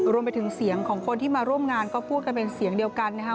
รวมไปถึงเสียงของคนที่มาร่วมงานก็พูดกันเป็นเสียงเดียวกันนะครับ